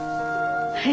はい。